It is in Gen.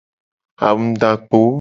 Angudakpo.